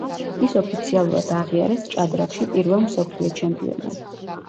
ის ოფიციალურად აღიარეს ჭადრაკში პირველ მსოფლიო ჩემპიონად.